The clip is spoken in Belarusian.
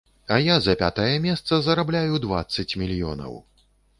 А я за пятае месца зарабляю дваццаць мільёнаў.